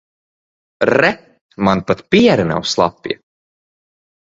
Re, man pat piere nav slapja.